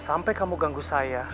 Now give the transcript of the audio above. sampai kamu ganggu saya